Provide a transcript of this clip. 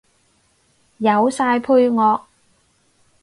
有晒配樂